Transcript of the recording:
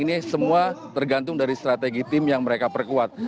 ini semua tergantung dari strategi tim yang mereka perkuat